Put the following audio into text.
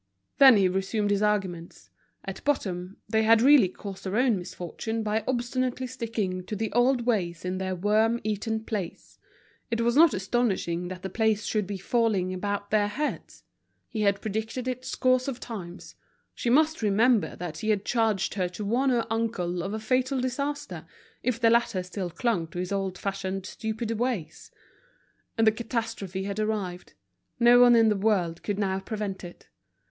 Then he resumed his arguments; at bottom, they had really caused their own misfortune by obstinately sticking to the old ways in their worm eaten place; it was not astonishing that the place should be falling about their heads. He had predicted it scores of times; she must remember that he had charged her to warn her uncle of a fatal disaster, if the latter still clung to his old fashioned stupid ways. And the catastrophe had arrived; no one in the world could now prevent it.